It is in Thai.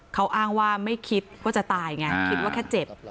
เขาอ้างว่าไม่คิดว่าจะตายไงคิดว่าแค่เจ็บ